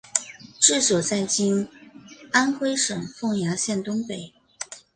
治所在今安徽省凤阳县东北。